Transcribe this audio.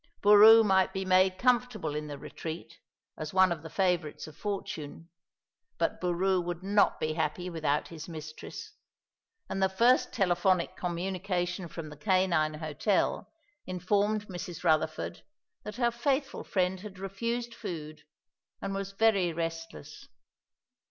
Boroo might be made comfortable in the retreat, as one of the favourites of fortune; but Boroo would not be happy without his mistress, and the first telephonic communication from the canine hotel informed Mrs. Rutherford that her faithful friend had refused food and was very restless.